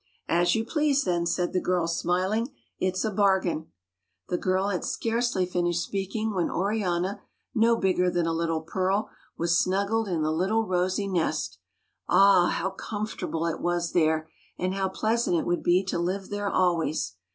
" As you please, then," said the girl, smiling. " It's a bar gain." The girl had scarcely finished speaking when Oriana, no bigger than a little pearl, was snuggled in the little rosy nest. Ah ! how comfortable it was there, and how pleasant it would be to live there always